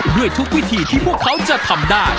ด้วยทุกวิธีที่พวกเขาจะทำได้